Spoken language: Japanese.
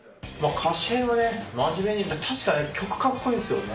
歌詞編はね、真面目に、確かに曲かっこいいですよね。